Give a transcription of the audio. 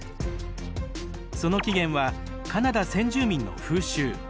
その起源はカナダ先住民の風習。